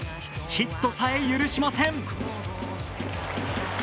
ヒットさえ許しません。